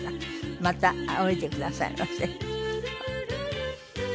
またおいでくださいませ。